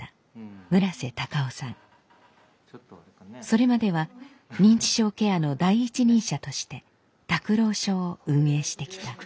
それまでは認知症ケアの第一人者として宅老所を運営してきた。